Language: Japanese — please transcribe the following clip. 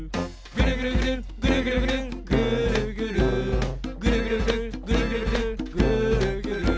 「ぐるぐるぐるぐるぐるぐるぐーるぐる」